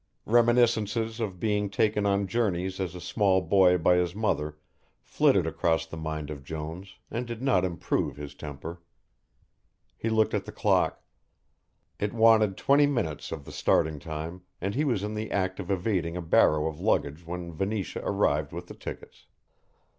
Reminiscences of being taken on journeys as a small boy by his mother flitted across the mind of Jones and did not improve his temper. He looked at the clock. It wanted twenty minutes of the starting time and he was in the act of evading a barrow of luggage when Venetia arrived with the tickets.